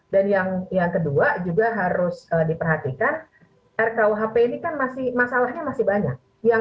dan yang kedua juga harus diperhatikan rkuhp ini kan masih masalahnya masih banyak